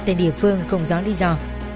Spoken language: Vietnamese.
tên địa phương không rõ lý do